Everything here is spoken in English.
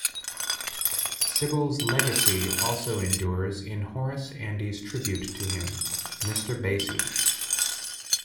Sibbles' legacy also endures in Horace Andy's tribute to him, "Mr. Bassie".